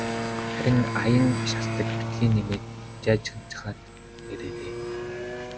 Харин аян шалтаг битгий нэмээд жайжганачхаад ирээрэй.